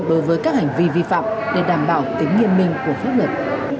đối với các hành vi vi phạm để đảm bảo tính nghiêm minh của pháp luật